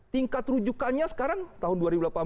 tingkat rujukannya sekarang tahun dua ribu delapan belas